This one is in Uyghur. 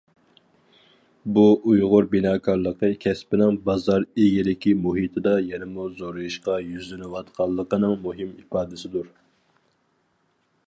بۇ، ئۇيغۇر بىناكارلىقى كەسپىنىڭ بازار ئىگىلىكى مۇھىتىدا يەنىمۇ زورىيىشقا يۈزلىنىۋاتقانلىقىنىڭ مۇھىم ئىپادىسىدۇر.